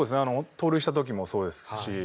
盗塁した時もそうですし。